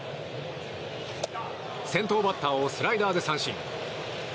先頭バッターをスライダーで三振。